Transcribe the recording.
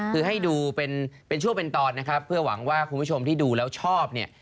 คือให้ดูเป็นช่วงเป็นตอนนะครับเพื่อหวังว่าคุณผู้ชมที่ดูแล้วชอบเนี่ย